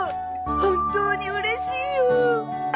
本当にうれしいよ！！